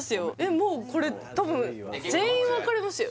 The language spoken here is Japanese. もうこれ多分全員分かりますよ